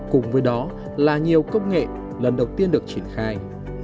cùng với đó là nhiều công nghệ lần đầu tiên được triển khai